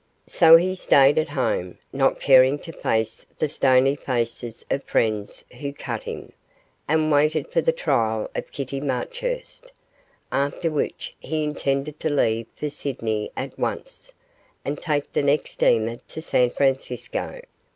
So he stayed at home, not caring to face the stony faces of friends who cut him, and waited for the trial of Kitty Marchurst, after which he intended to leave for Sydney at once, and take the next steamer to San Francisco.